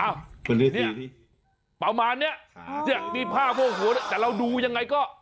อ้าวประมาณนี้มีผ้าโพกหัวแต่เราดูยังไงก็